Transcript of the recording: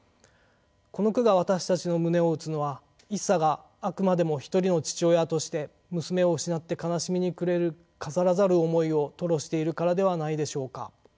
この句が私たちの胸を打つのは一茶があくまでも一人の父親として娘を失って悲しみに暮れる飾らざる思いを吐露しているからではないでしょうか。